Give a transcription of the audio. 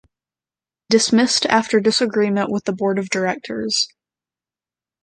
Dismissed after disagreement with the board of directors.